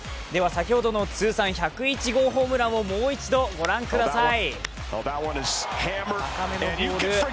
先ほどの通算１０１号ホームランをもう一度ご覧ください。